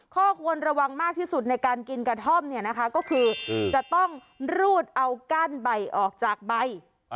ข้อควรระวังมากที่สุดในการกินกระท่อมเนี่ยนะคะก็คือจะต้องรูดเอากั้นใบออกจากใบ